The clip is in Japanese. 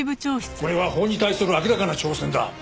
これは法に対する明らかな挑戦だ。